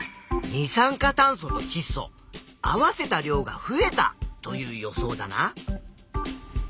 二酸化炭素とちっ素合わせた量が増えたという予想だな。